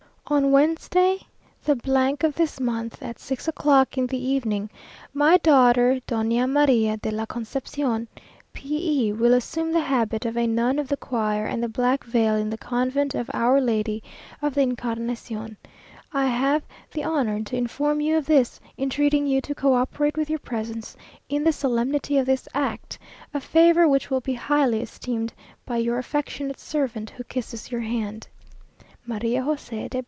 "On Wednesday, the of this month, at six o'clock in the evening, my daughter, Doña María de la Conception, P e , will assume the habit of a nun of the choir and the black veil in the Convent of Our Lady of the Incarnation. I have the honour to inform you of this, entreating you to co operate with your presence in the solemnity of this act, a favour which will be highly esteemed by your affectionate servant, who kisses your hand. "MARÍA JOSÉFA DE